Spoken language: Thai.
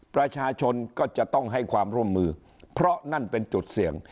ประชาชนก็จะต้องให้ความร่วมมือเพราะนั่นเป็นจุดเสี่ยง